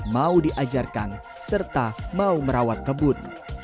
mau diajarkan serta mau merawat kebut